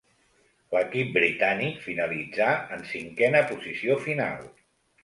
L'equip britànic finalitzà en cinquena posició final.